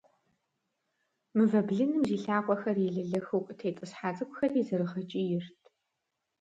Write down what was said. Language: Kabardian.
Мывэ блыным зи лъакъуэхэр елэлэхыу къытетIысхьа цIыкIухэри зэрыгъэкIийрт.